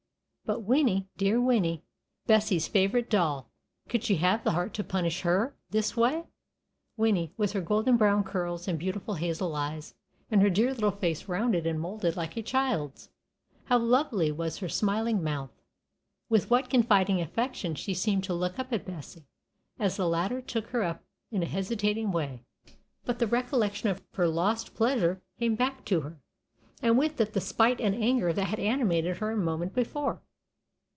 But Winnie, dear Winnie, Bessie's favorite doll, could she have the heart to punish her this way? Winnie, with her golden brown curls and beautiful hazel eyes, and her dear little face rounded and moulded like a child's. How lovely was her smiling mouth! With what confiding affection she seemed to look up at Bessie, as the latter took her up in a hesitating way! But the recollection of her lost pleasure came back to her, and with it the spite and anger that had animated her a moment before.